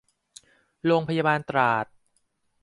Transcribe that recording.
โรงพยาบาลตราด